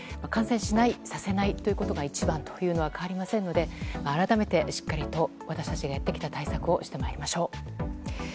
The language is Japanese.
感染しない、させないことが一番ということは変わりませんので改めて、しっかりと私たちがやってきた対策をしてまいりましょう。